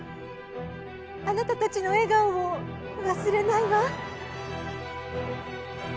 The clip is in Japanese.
あなたたちの笑顔を忘れないわ。